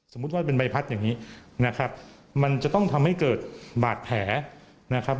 ว่าเป็นใบพัดอย่างนี้นะครับมันจะต้องทำให้เกิดบาดแผลนะครับ